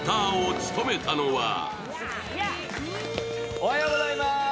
おはようございます。